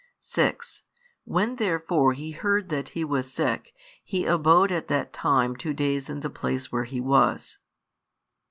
6 When therefore He heard that he was sick, He abode at that time two days in the place where He was.